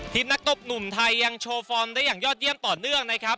นักตบหนุ่มไทยยังโชว์ฟอร์มได้อย่างยอดเยี่ยมต่อเนื่องนะครับ